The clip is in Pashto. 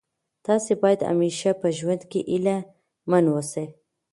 تاسي باید همېشه په ژوند کي هیله من اوسئ.